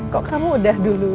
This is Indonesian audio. kok kamu udah dulu